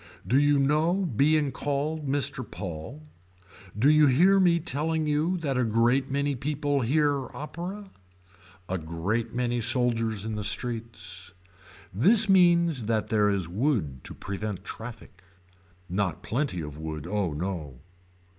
Do you know being called Mr. Paul. Do you hear me telling you that a great many people hear opera. A great many soldiers in the streets. This means that there is wood to prevent traffic. Not plenty of wood oh no.